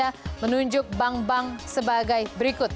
indonesia menunjuk bank bank sebagai berikut